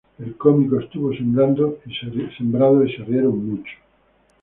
El cómico estuvo sembrado y se rieron mucho